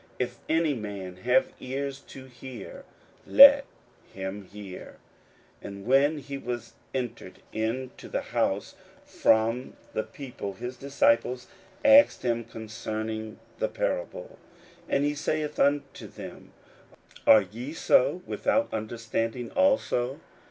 41:007:016 If any man have ears to hear, let him hear. 41:007:017 And when he was entered into the house from the people, his disciples asked him concerning the parable. 41:007:018 And he saith unto them, Are ye so without understanding also?